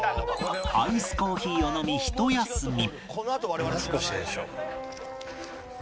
アイスコーヒーを飲みひと休み